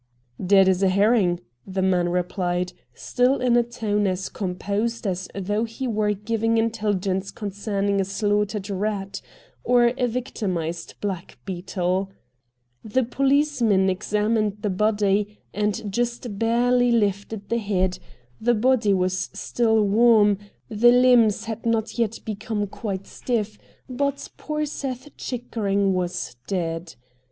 ' Dead as a herring,' the man replied, still in a tone as composed as though he were giving intelligence concerning a slaughtered rat or a victimised blackbeetle. The poHce 112 RED DIAMONDS men examined the body, and just barely lifted the head — the body was still warm, the limbs had not yet become quite stiff, but poor Seth Chickering was dead.